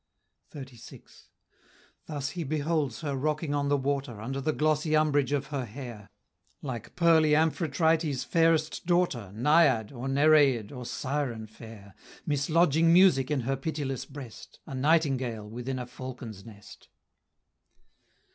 XXXVI. Thus he beholds her rocking on the water, Under the glossy umbrage of her hair, Like pearly Amphitrite's fairest daughter, Naiad, or Nereid, or Syren fair, Mislodging music in her pitiless breast, A nightingale within a falcon's nest.